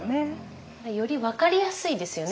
より分かりやすいですよね。